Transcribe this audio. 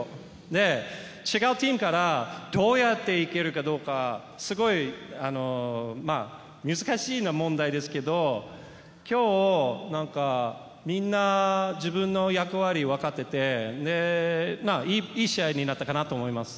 で、違うチームからどうやって行けるかどうかすごい難しい問題ですけど今日、みんな自分の役割をわかってていい試合になったかなと思います。